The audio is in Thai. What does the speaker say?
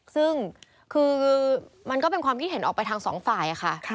ซึ่งคือมันก็เป็นความคิดเห็นออกไปทั้งสองฝ่ายค่ะ